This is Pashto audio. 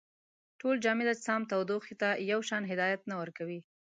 ټول جامد اجسام تودوخې ته یو شان هدایت نه ورکوي.